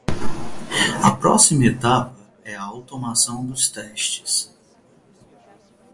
A próxima etapa é a automação dos testes.